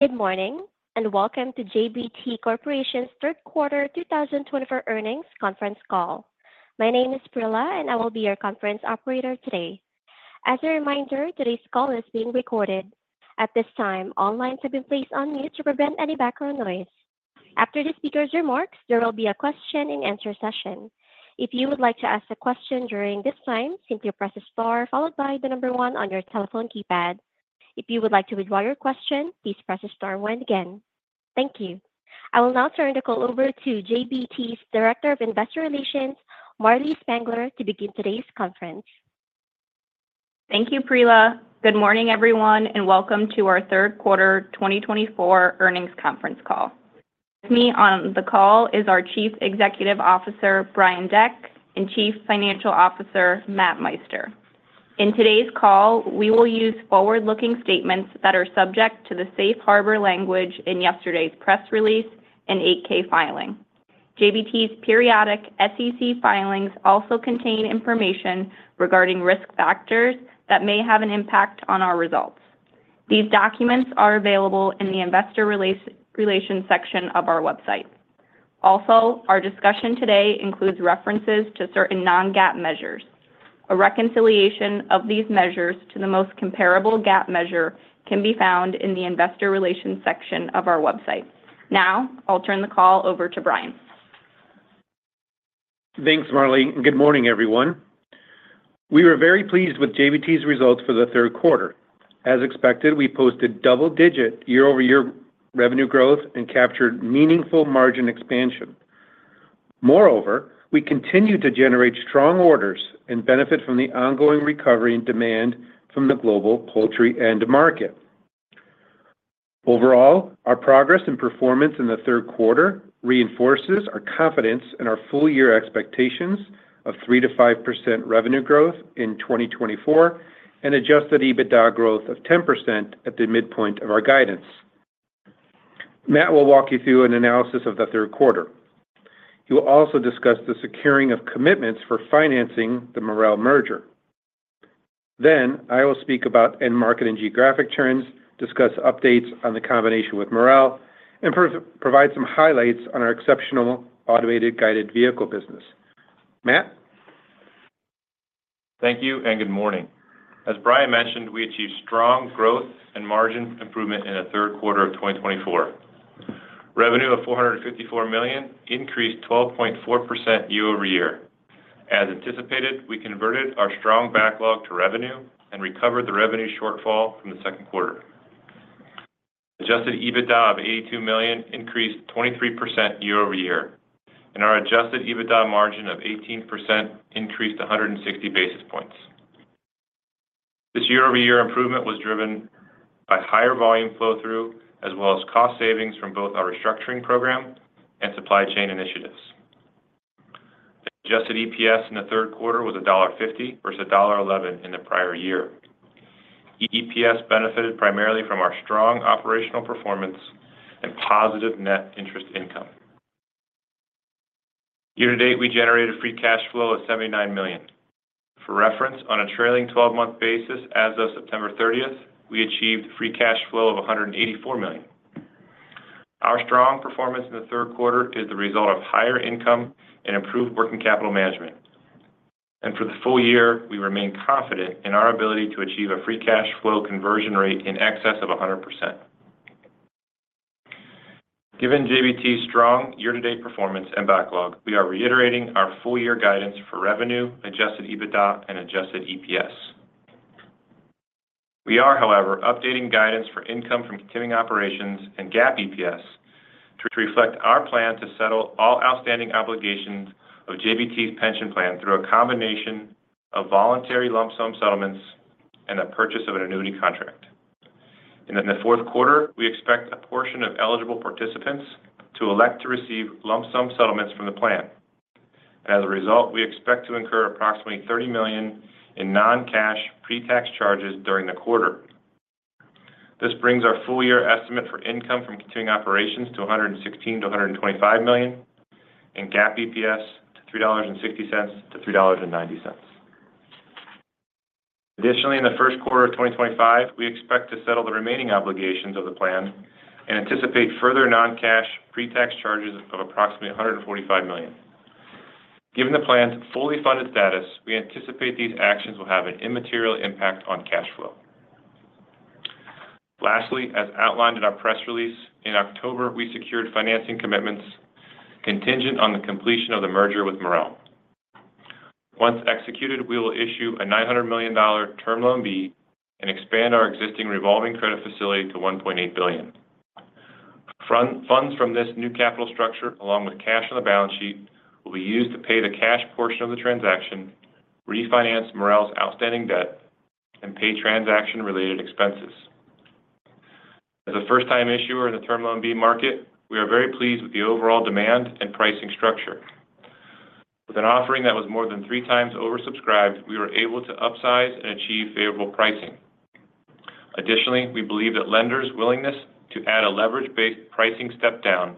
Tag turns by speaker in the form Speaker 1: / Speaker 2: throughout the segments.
Speaker 1: Good morning, and welcome to JBT Corporation's third quarter two thousand and twenty-four earnings conference call. My name is Prila, and I will be your conference operator today. As a reminder, today's call is being recorded. At this time, all lines have been placed on mute to prevent any background noise. After the speaker's remarks, there will be a question-and-answer session. If you would like to ask a question during this time, simply press Star followed by the number one on your telephone keypad. If you would like to withdraw your question, please press Star one again. Thank you. I will now turn the call over to JBT's Director of Investor Relations, Marlee Spangler, to begin today's conference.
Speaker 2: Thank you, Prila. Good morning, everyone, and welcome to our third quarter twenty twenty-four earnings conference call. With me on the call is our Chief Executive Officer, Brian Deck, and Chief Financial Officer, Matt Meister. In today's call, we will use forward-looking statements that are subject to the Safe Harbor language in yesterday's press release and 8-K filing. JBT's periodic SEC filings also contain information regarding risk factors that may have an impact on our results. These documents are available in the investor relations section of our website. Also, our discussion today includes references to certain non-GAAP measures. A reconciliation of these measures to the most comparable GAAP measure can be found in the investor relations section of our website. Now, I'll turn the call over to Brian.
Speaker 3: Thanks, Marlee, and good morning, everyone. We were very pleased with JBT's results for the third quarter. As expected, we posted double-digit year-over-year revenue growth and captured meaningful margin expansion. Moreover, we continued to generate strong orders and benefit from the ongoing recovery and demand from the global poultry end market. Overall, our progress and performance in the third quarter reinforces our confidence in our full-year expectations of 3%-5% revenue growth in 2024 and Adjusted EBITDA growth of 10% at the midpoint of our guidance. Matt will walk you through an analysis of the third quarter. He will also discuss the securing of commitments for financing the Marel merger. Then I will speak about end market and geographic trends, discuss updates on the combination with Marel, and provide some highlights on our exceptional automated guided vehicle business. Matt?
Speaker 4: Thank you and good morning. As Brian mentioned, we achieved strong growth and margin improvement in the third quarter of 2024. Revenue of $454 million increased 12.4% year over year. As anticipated, we converted our strong backlog to revenue and recovered the revenue shortfall from the second quarter. Adjusted EBITDA of $82 million increased 23% year over year, and our adjusted EBITDA margin of 18% increased 160 basis points. This year-over-year improvement was driven by higher volume flow-through, as well as cost savings from both our restructuring program and supply chain initiatives. The adjusted EPS in the third quarter was $1.50 versus $1.11 in the prior year. EPS benefited primarily from our strong operational performance and positive net interest income. Year to date, we generated free cash flow of $79 million. For reference, on a trailing twelve-month basis, as of September thirtieth, we achieved free cash flow of $184 million. Our strong performance in the third quarter is the result of higher income and improved working capital management, and for the full year, we remain confident in our ability to achieve a free cash flow conversion rate in excess of 100%. Given JBT's strong year-to-date performance and backlog, we are reiterating our full-year guidance for revenue, Adjusted EBITDA, and Adjusted EPS. We are, however, updating guidance for income from continuing operations and GAAP EPS to reflect our plan to settle all outstanding obligations of JBT's pension plan through a combination of voluntary lump sum settlements and the purchase of an annuity contract, and in the fourth quarter, we expect a portion of eligible participants to elect to receive lump sum settlements from the plan. As a result, we expect to incur approximately $30 million in non-cash pre-tax charges during the quarter. This brings our full year estimate for income from continuing operations to $116 million-$125 million, and GAAP EPS to $3.60-$3.90. Additionally, in the first quarter of twenty twenty-five, we expect to settle the remaining obligations of the plan and anticipate further non-cash pre-tax charges of approximately $145 million. Given the plan's fully funded status, we anticipate these actions will have an immaterial impact on cash flow. Lastly, as outlined in our press release, in October, we secured financing commitments contingent on the completion of the merger with Marel. Once executed, we will issue a $900 million Term Loan B and expand our existing revolving credit facility to $1.8 billion. Funds from this new capital structure, along with cash on the balance sheet, will be used to pay the cash portion of the transaction, refinance Marel's outstanding debt, and pay transaction-related expenses. As a first-time issuer in the Term Loan B market, we are very pleased with the overall demand and pricing structure. With an offering that was more than three times oversubscribed, we were able to upsize and achieve favorable pricing. Additionally, we believe that lenders' willingness to add a leverage-based pricing step-down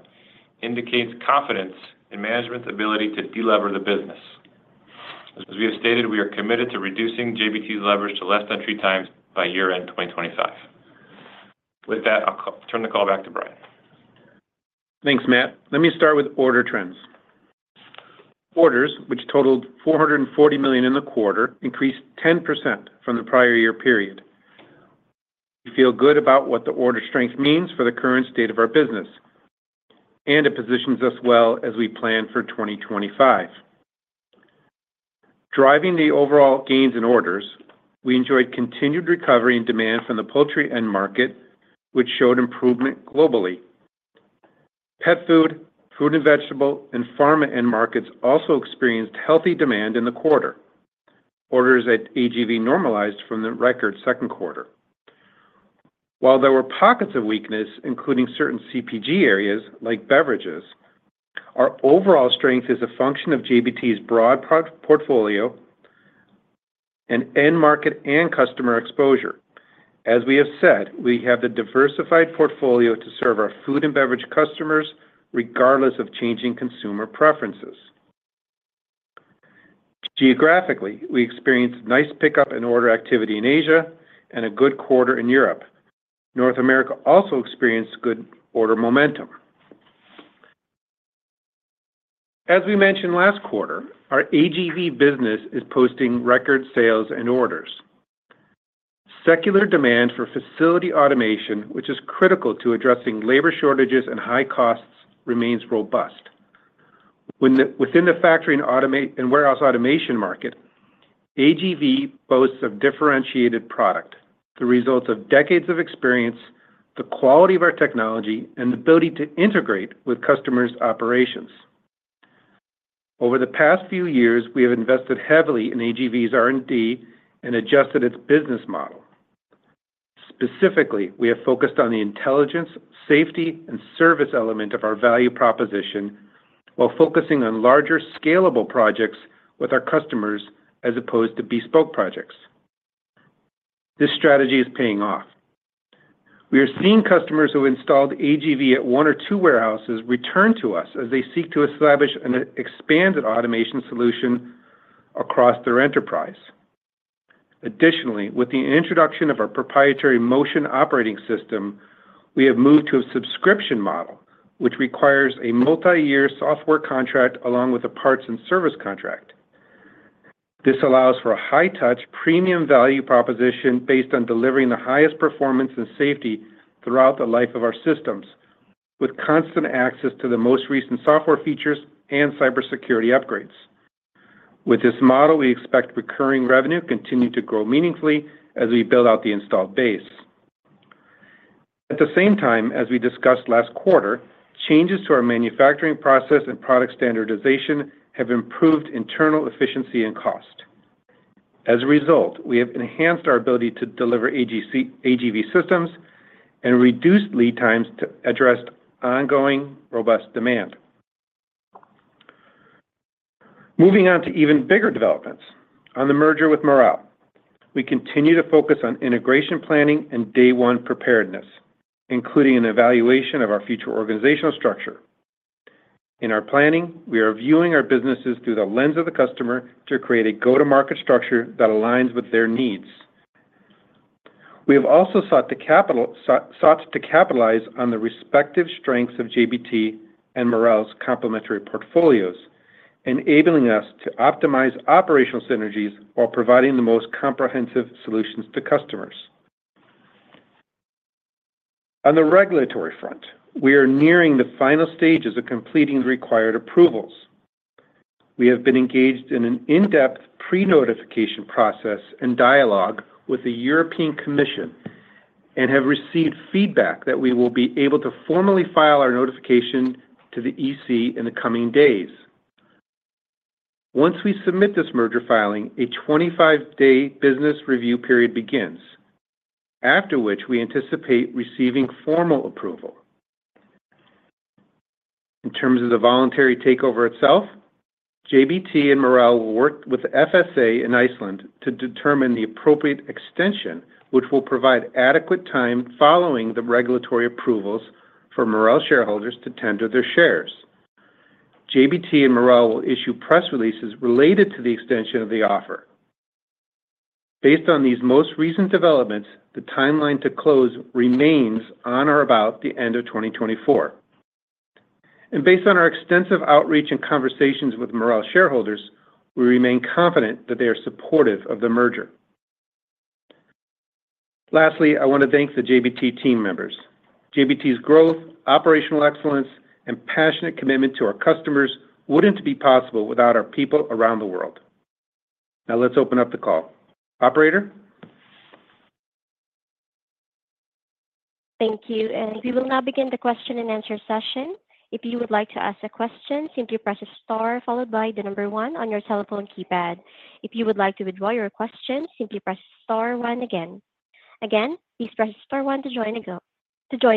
Speaker 4: indicates confidence in management's ability to delever the business. As we have stated, we are committed to reducing JBT's leverage to less than three times by year-end 2025. With that, I'll turn the call back to Brian.
Speaker 3: Thanks, Matt. Let me start with order trends. Orders, which totaled $440 million in the quarter, increased 10% from the prior year period. We feel good about what the order strength means for the current state of our business, and it positions us well as we plan for 2025. Driving the overall gains in orders, we enjoyed continued recovery and demand from the poultry end market, which showed improvement globally. Pet food, fruit and vegetable, and pharma end markets also experienced healthy demand in the quarter. Orders at AGV normalized from the record second quarter. While there were pockets of weakness, including certain CPG areas like beverages, our overall strength is a function of JBT's broad product portfolio and end market and customer exposure. As we have said, we have the diversified portfolio to serve our food and beverage customers, regardless of changing consumer preferences. Geographically, we experienced nice pickup and order activity in Asia and a good quarter in Europe. North America also experienced good order momentum. As we mentioned last quarter, our AGV business is posting record sales and orders. Secular demand for facility automation, which is critical to addressing labor shortages and high costs, remains robust. Within the factory and warehouse automation market, AGV boasts a differentiated product, the result of decades of experience, the quality of our technology, and the ability to integrate with customers' operations. Over the past few years, we have invested heavily in AGV's R&D and adjusted its business model. Specifically, we have focused on the intelligence, safety, and service element of our value proposition, while focusing on larger scalable projects with our customers as opposed to bespoke projects. This strategy is paying off. We are seeing customers who installed AGV at one or two warehouses return to us as they seek to establish an expanded automation solution across their enterprise. Additionally, with the introduction of our proprietary Motion Operating System, we have moved to a subscription model, which requires a multiyear software contract along with a parts and service contract. This allows for a high-touch, premium value proposition based on delivering the highest performance and safety throughout the life of our systems, with constant access to the most recent software features and cybersecurity upgrades. With this model, we expect recurring revenue continue to grow meaningfully as we build out the installed base. At the same time, as we discussed last quarter, changes to our manufacturing process and product standardization have improved internal efficiency and cost. As a result, we have enhanced our ability to deliver AGV systems and reduced lead times to address ongoing robust demand. Moving on to even bigger developments. On the merger with Marel, we continue to focus on integration planning and day one preparedness, including an evaluation of our future organizational structure. In our planning, we are viewing our businesses through the lens of the customer to create a go-to-market structure that aligns with their needs. We have also sought to capitalize on the respective strengths of JBT and Marel's complementary portfolios, enabling us to optimize operational synergies while providing the most comprehensive solutions to customers. On the regulatory front, we are nearing the final stages of completing the required approvals. We have been engaged in an in-depth pre-notification process and dialogue with the European Commission and have received feedback that we will be able to formally file our notification to the EC in the coming days. Once we submit this merger filing, a 25-day business review period begins, after which we anticipate receiving formal approval. In terms of the voluntary takeover itself, JBT and Marel will work with the FSA in Iceland to determine the appropriate extension, which will provide adequate time following the regulatory approvals for Marel shareholders to tender their shares. JBT and Marel will issue press releases related to the extension of the offer. Based on these most recent developments, the timeline to close remains on or about the end of 2024. Based on our extensive outreach and conversations with Marel shareholders, we remain confident that they are supportive of the merger. Lastly, I want to thank the JBT team members. JBT's growth, operational excellence, and passionate commitment to our customers wouldn't be possible without our people around the world. Now, let's open up the call. Operator?
Speaker 1: Thank you, and we will now begin the question and answer session. If you would like to ask a question, simply press star followed by the number one on your telephone keypad. If you would like to withdraw your question, simply press star one again. Again, please press star one to join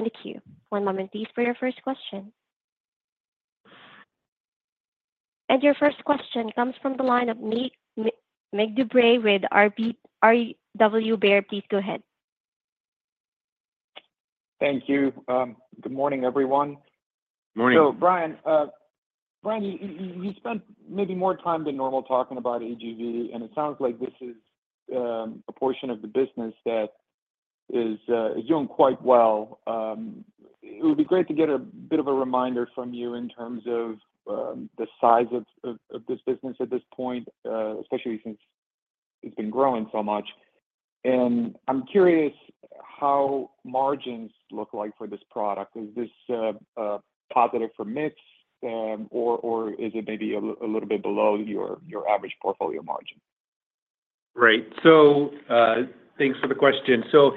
Speaker 1: the queue. One moment, please, for your first question. And your first question comes from the line of Mircea Dobre with R.W. Baird. Please go ahead.
Speaker 5: Thank you. Good morning, everyone.
Speaker 3: Morning.
Speaker 5: So Brian, Brian, you spent maybe more time than normal talking about AGV, and it sounds like this is a portion of the business that is doing quite well. It would be great to get a bit of a reminder from you in terms of the size of this business at this point, especially since it's been growing so much. And I'm curious how margins look like for this product. Is this positive for mix, or is it maybe a little bit below your average portfolio margin?
Speaker 3: Right. So, thanks for the question. So,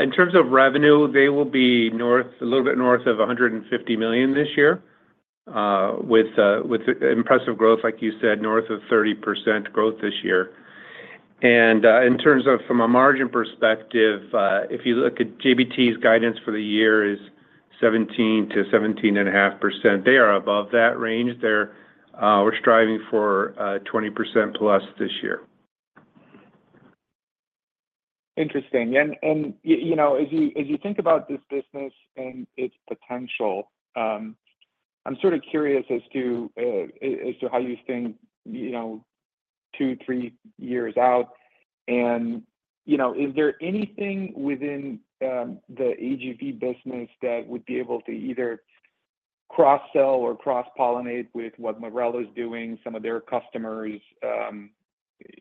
Speaker 3: in terms of revenue, they will be north, a little bit north of $150 million this year, with impressive growth, like you said, north of 30% growth this year. And, in terms of from a margin perspective, if you look at JBT's guidance for the year is 17% to 17.5%. They are above that range. They're, we're striving for, twenty percent plus this year.
Speaker 5: Interesting. And, you know, as you think about this business and its potential, I'm sort of curious as to how you think, you know, two, three years out. And, you know, is there anything within the AGV business that would be able to either cross-sell or cross-pollinate with what Marel is doing, some of their customers?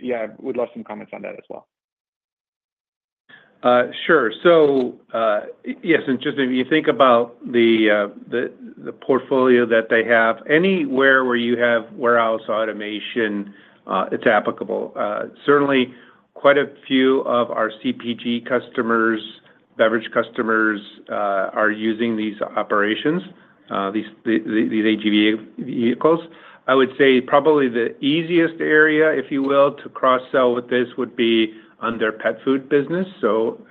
Speaker 5: Yeah, would love some comments on that as well.
Speaker 3: Sure. So, yes, interesting. If you think about the portfolio that they have, anywhere where you have warehouse automation, it's applicable. Certainly, quite a few of our CPG customers, beverage customers, are using these operations, these AGV vehicles. I would say probably the easiest area, if you will, to cross-sell with this would be on their pet food business. So,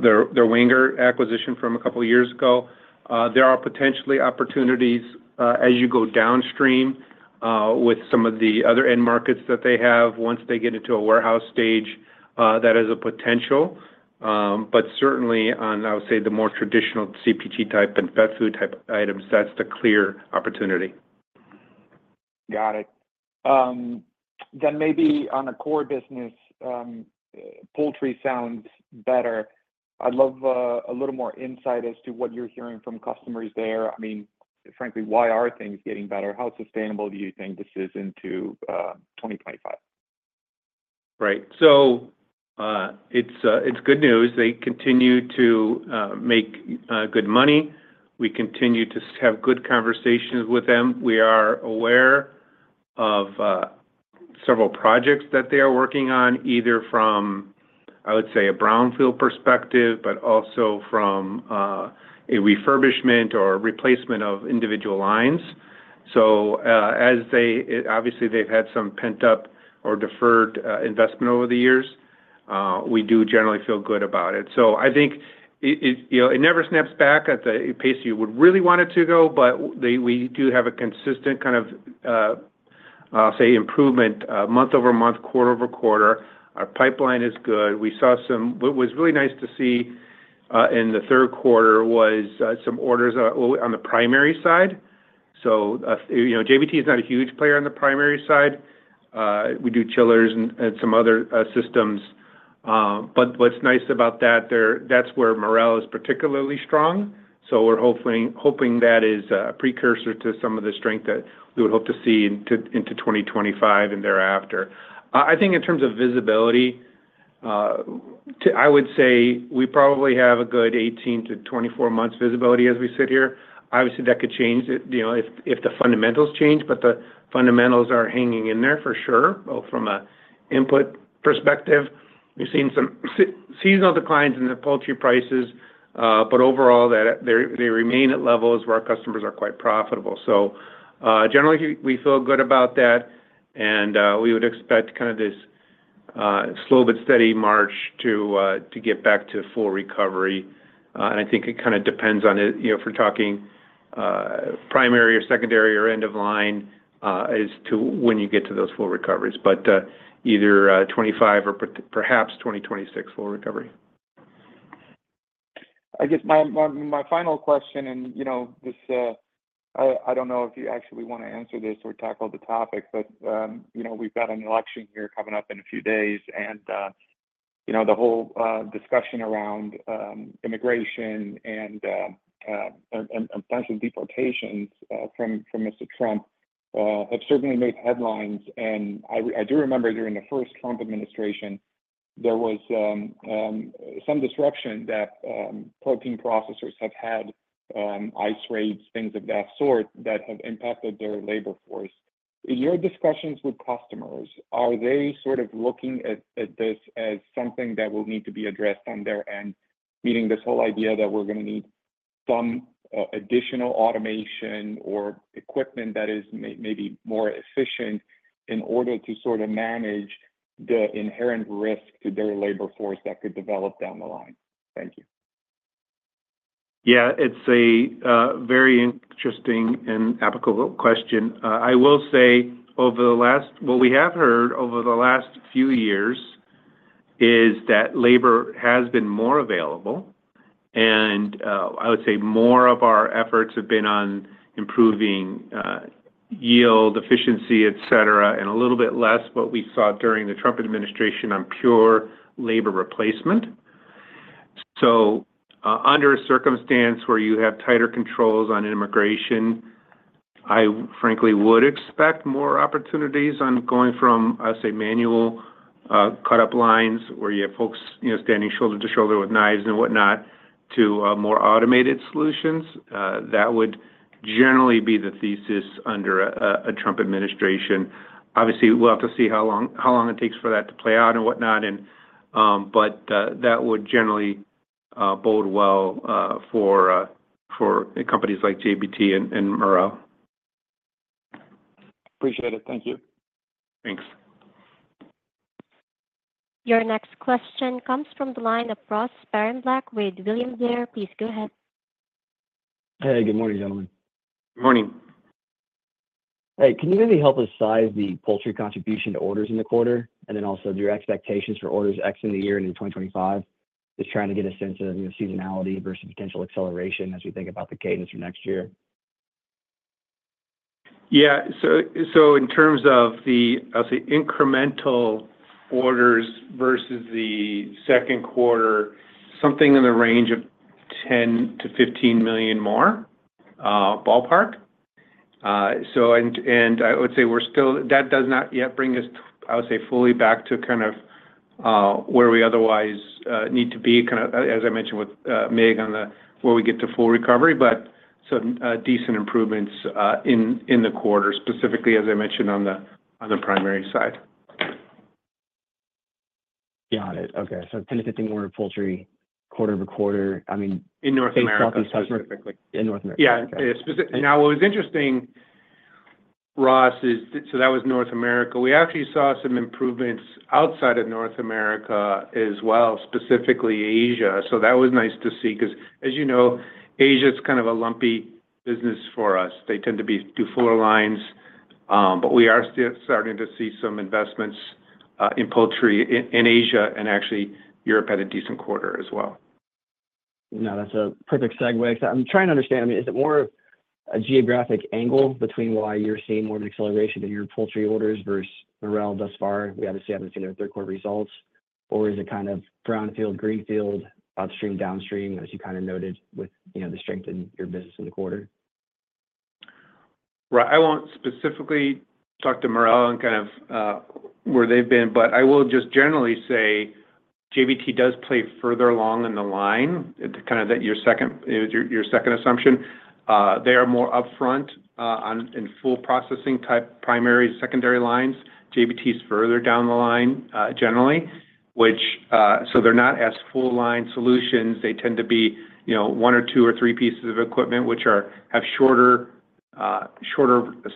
Speaker 3: their Wenger acquisition from a couple of years ago. There are potentially opportunities, as you go downstream, with some of the other end markets that they have. Once they get into a warehouse stage, that is a potential, but certainly on, I would say, the more traditional CPG type and pet food type items, that's the clear opportunity.
Speaker 5: Got it. Then maybe on the core business, poultry sounds better. I'd love a little more insight as to what you're hearing from customers there. I mean, frankly, why are things getting better? How sustainable do you think this is into twenty twenty-five?
Speaker 3: Right. So, it's good news. They continue to make good money. We continue to have good conversations with them. We are aware of several projects that they are working on, either from, I would say, a brownfield perspective, but also from a refurbishment or replacement of individual lines. So, as they, obviously, they've had some pent-up or deferred investment over the years. We do generally feel good about it. So I think it, you know, it never snaps back at the pace you would really want it to go, but they, we do have a consistent kind of, say, improvement month over month, quarter over quarter. Our pipeline is good. We saw some... What was really nice to see in the third quarter was some orders on the primary side. So, you know, JBT is not a huge player on the primary side. We do chillers and some other systems. But what's nice about that, that's where Marel is particularly strong. So we're hoping that is a precursor to some of the strength that we would hope to see into 2025 and thereafter. I think in terms of visibility, I would say we probably have a good 18-24 months visibility as we sit here. Obviously, that could change, you know, if the fundamentals change, but the fundamentals are hanging in there for sure, both from an input perspective. We've seen some seasonal declines in the poultry prices, but overall, they remain at levels where our customers are quite profitable. Generally, we feel good about that, and we would expect kind of this slow but steady march to get back to full recovery. And I think it kinda depends on, you know, if we're talking primary or secondary or end of line, as to when you get to those full recoveries, but either twenty-five or perhaps twenty twenty-six, full recovery.
Speaker 5: I guess my final question, and, you know, this, I don't know if you actually want to answer this or tackle the topic, but, you know, we've got an election here coming up in a few days, and, you know, the whole discussion around immigration and potential deportations from Mr. Trump have certainly made headlines. I do remember during the first Trump administration, there was some disruption that protein processors have had, ICE raids, things of that sort, that have impacted their labor force. In your discussions with customers, are they sort of looking at this as something that will need to be addressed on their end, meaning this whole idea that we're gonna need some additional automation or equipment that is maybe more efficient in order to sort of manage the inherent risk to their labor force that could develop down the line? Thank you.
Speaker 3: Yeah, it's a very interesting and applicable question. I will say over the last few years what we have heard is that labor has been more available, and I would say more of our efforts have been on improving yield, efficiency, et cetera, and a little bit less what we saw during the Trump administration on pure labor replacement. So under a circumstance where you have tighter controls on immigration, I frankly would expect more opportunities on going from, I'd say, manual cut-up lines, where you have folks, you know, standing shoulder to shoulder with knives and whatnot, to more automated solutions. That would generally be the thesis under a Trump administration. Obviously, we'll have to see how long it takes for that to play out and whatnot, and but that would generally bode well for companies like JBT and Marel.
Speaker 5: Appreciate it. Thank you.
Speaker 3: Thanks.
Speaker 1: Your next question comes from the line of Ross Sparenblek with William Blair. Please go ahead.
Speaker 6: Hey, good morning, gentlemen.
Speaker 3: Good morning.
Speaker 6: Hey, can you maybe help us size the poultry contribution to orders in the quarter? And then also, your expectations for orders ex in the year and in twenty twenty-five? Just trying to get a sense of, you know, seasonality versus potential acceleration as we think about the cadence for next year.
Speaker 3: Yeah. So in terms of the, I'll say, incremental orders versus the second quarter, something in the range of $10 million-$15 million more, ballpark. So and I would say we're still that does not yet bring us, I would say, fully back to kind of where we otherwise need to be, kind of, as I mentioned with Mircea, on the before we get to full recovery. But some decent improvements in the quarter, specifically, as I mentioned, on the primary side.
Speaker 6: Got it. Okay. So $10-$15 million order poultry, quarter over quarter, I mean-
Speaker 3: In North America, specifically.
Speaker 6: In North America.
Speaker 3: Yeah. Now, what was interesting, Ross, is so that was North America. We actually saw some improvements outside of North America as well, specifically Asia. So that was nice to see, 'cause as you know, Asia is kind of a lumpy business for us. They tend to do fuller lines, but we are still starting to see some investments in poultry in Asia and actually Europe had a decent quarter as well.
Speaker 6: Now, that's a perfect segue. I'm trying to understand, I mean, is it more a geographic angle between why you're seeing more of an acceleration in your poultry orders versus Marel thus far? We obviously haven't seen their third quarter results, or is it kind of brownfield, greenfield, upstream, downstream, as you kind of noted with, you know, the strength in your business in the quarter?
Speaker 3: Right. I won't specifically talk to Marel and kind of where they've been, but I will just generally say JBT does play further along in the line. It's kind of that your second assumption. They are more upfront in full processing type primary, secondary lines. JBT is further down the line, generally, which. So they're not as full line solutions. They tend to be, you know, one or two or three pieces of equipment, which have shorter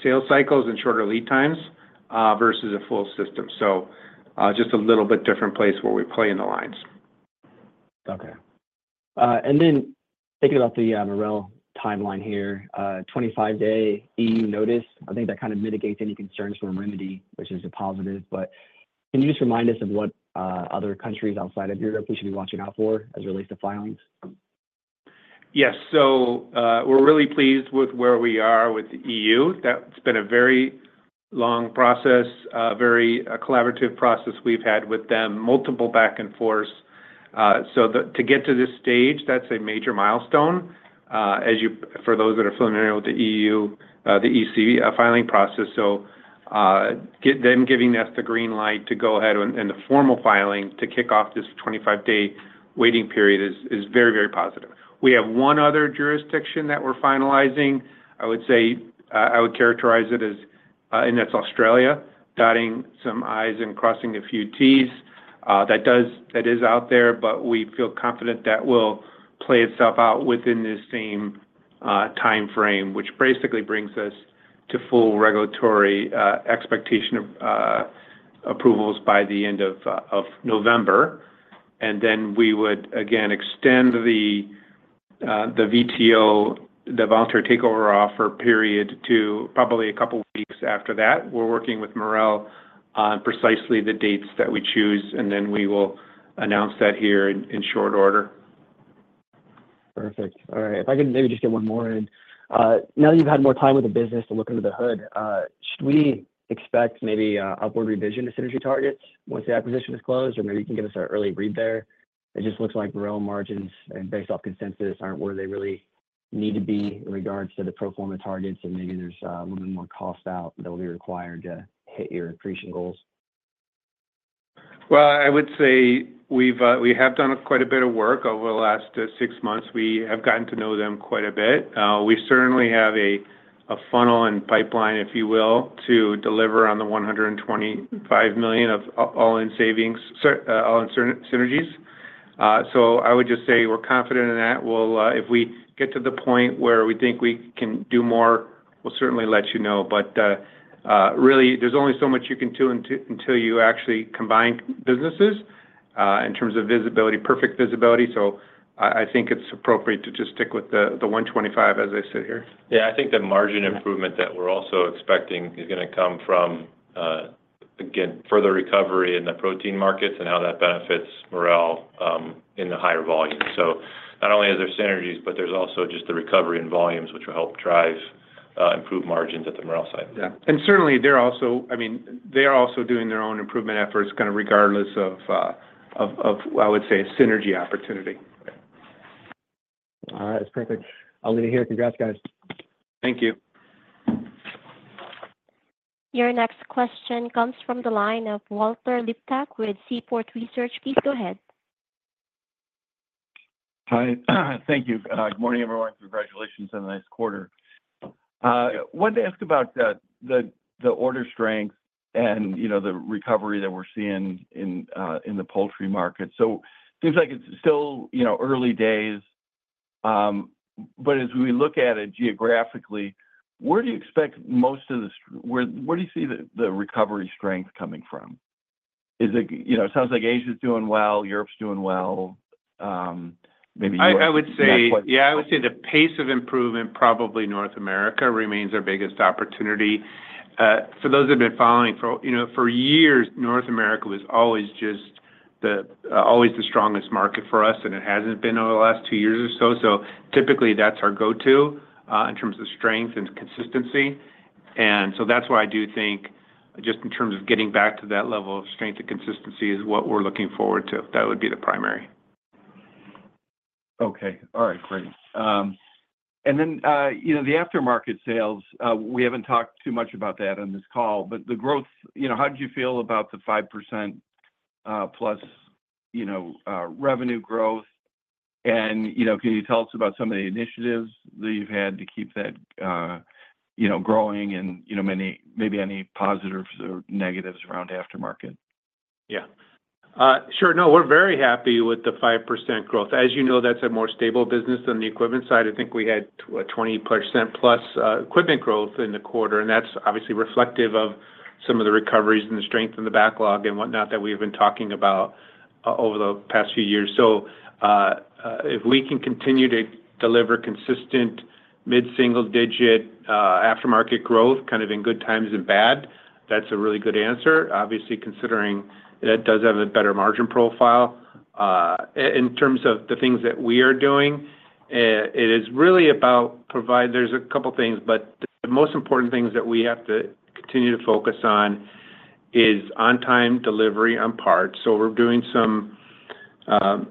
Speaker 3: sales cycles and shorter lead times versus a full system. So just a little bit different place where we play in the lines.
Speaker 6: Okay. And then thinking about the Marel timeline here, 25-day EU notice, I think that kind of mitigates any concerns from remedy, which is a positive. But can you just remind us of what other countries outside of Europe we should be watching out for as it relates to filings?
Speaker 3: Yes. So, we're really pleased with where we are with the EU. That's been a very long process, a very collaborative process we've had with them, multiple back and forth. So to get to this stage, that's a major milestone. For those that are familiar with the EU, the EC, filing process. So, them giving us the green light to go ahead and the formal filing to kick off this 25-day waiting period is very, very positive. We have one other jurisdiction that we're finalizing. I would say, I would characterize it as, and that's Australia, dotting some I's and crossing a few T's. That is out there, but we feel confident that will play itself out within the same time frame, which basically brings us to full regulatory expectation of approvals by the end of November, and then we would again extend the VTO, the voluntary takeover offer period, to probably a couple weeks after that. We're working with Marel on precisely the dates that we choose, and then we will announce that here in short order.
Speaker 6: Perfect. All right. If I can maybe just get one more in. Now that you've had more time with the business to look under the hood, should we expect maybe a upward revision to synergy targets once the acquisition is closed? Or maybe you can give us an early read there? It just looks like Marel margins, and based off consensus, aren't where they really need to be in regards to the pro forma targets, and maybe there's a little more cost out that will be required to hit your accretion goals.
Speaker 3: I would say we've done quite a bit of work over the last six months. We have gotten to know them quite a bit. We certainly have a funnel and pipeline, if you will, to deliver on the $125 million of all-in savings, all-in synergies. So I would just say we're confident in that. We'll, if we get to the point where we think we can do more, we'll certainly let you know. But, really, there's only so much you can do until you actually combine businesses in terms of visibility, perfect visibility. So I think it's appropriate to just stick with the $125 million as I sit here.
Speaker 4: Yeah, I think the margin improvement that we're also expecting is gonna come from again, further recovery in the protein markets and how that benefits Marel in the higher volumes, so not only are there synergies, but there's also just the recovery in volumes, which will help drive improved margins at the Marel side.
Speaker 3: Yeah. And certainly, they're also, I mean, they are also doing their own improvement efforts, kind of, regardless of, I would say, a synergy opportunity.
Speaker 6: All right. It's perfect. I'll leave it here. Congrats, guys.
Speaker 4: Thank you.
Speaker 1: Your next question comes from the line of Walter Liptak with Seaport Research. Please go ahead.
Speaker 7: Hi, thank you. Good morning, everyone. Congratulations on the nice quarter. Wanted to ask about the order strength and, you know, the recovery that we're seeing in the poultry market. So seems like it's still, you know, early days, but as we look at it geographically, where do you see the recovery strength coming from? Is it? You know, it sounds like Asia's doing well, Europe's doing well, maybe-
Speaker 3: I would say-
Speaker 7: That's what-
Speaker 3: Yeah, I would say the pace of improvement, probably North America remains our biggest opportunity. For those who have been following for, you know, for years, North America was always just the strongest market for us, and it hasn't been over the last two years or so. So typically, that's our go-to in terms of strength and consistency. And so that's where I do think, just in terms of getting back to that level of strength and consistency, is what we're looking forward to. That would be the primary.
Speaker 7: Okay. All right, great. And then, you know, the aftermarket sales, we haven't talked too much about that on this call, but the growth, you know, how did you feel about the 5% plus, you know, revenue growth? And, you know, can you tell us about some of the initiatives that you've had to keep that, you know, growing and, you know, maybe any positives or negatives around aftermarket?
Speaker 3: Yeah. Sure. No, we're very happy with the 5% growth. As you know, that's a more stable business than the equipment side. I think we had, what? 20% plus, equipment growth in the quarter, and that's obviously reflective of some of the recoveries and the strength in the backlog and whatnot that we've been talking about over the past few years. So, if we can continue to deliver consistent mid-single digit, aftermarket growth, kind of in good times and bad, that's a really good answer. Obviously, considering that does have a better margin profile. In terms of the things that we are doing, it is really about. There's a couple things, but the most important things that we have to continue to focus on is on-time delivery on parts. So we're doing some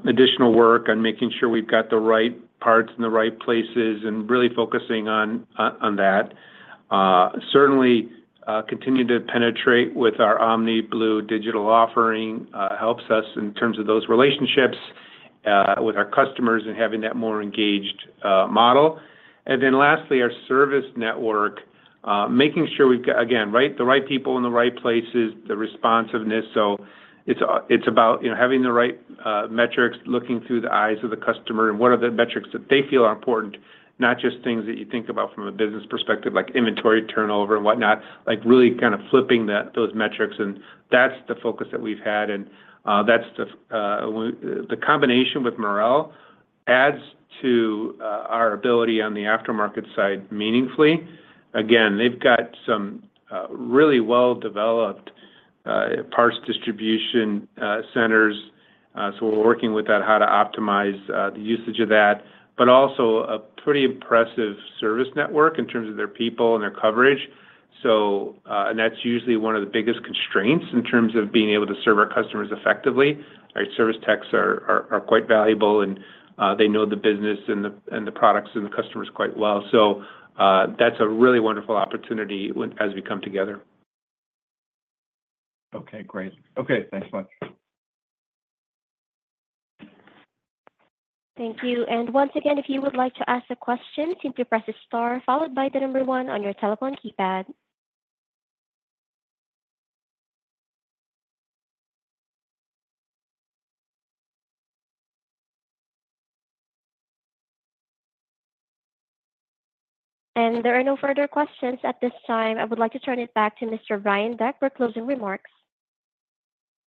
Speaker 3: additional work on making sure we've got the right parts in the right places and really focusing on that. Certainly, continuing to penetrate with our OmniBlue digital offering helps us in terms of those relationships with our customers and having that more engaged model. And then lastly, our service network, making sure we've got, again, the right people in the right places, the responsiveness. So it's about, you know, having the right metrics, looking through the eyes of the customer, and what are the metrics that they feel are important, not just things that you think about from a business perspective, like inventory turnover and whatnot. Like, really kind of flipping that, those metrics, and that's the focus that we've had. And that's the combination with Marel adds to our ability on the aftermarket side meaningfully. Again, they've got some really well-developed parts distribution centers, so we're working with that, how to optimize the usage of that, but also a pretty impressive service network in terms of their people and their coverage. And that's usually one of the biggest constraints in terms of being able to serve our customers effectively. Our service techs are quite valuable, and they know the business and the products and the customers quite well. That's a really wonderful opportunity when as we come together.
Speaker 7: Okay, great. Okay, thanks much.
Speaker 1: Thank you. And once again, if you would like to ask a question, simply press star followed by the number one on your telephone keypad. And there are no further questions at this time. I would like to turn it back to Mr. Brian Deck for closing remarks.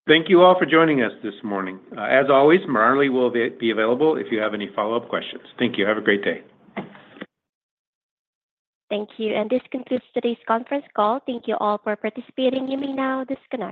Speaker 3: Thank you all for joining us this morning. As always, Marlee will be available if you have any follow-up questions. Thank you. Have a great day.
Speaker 1: Thank you, and this concludes today's conference call. Thank you all for participating. You may now disconnect.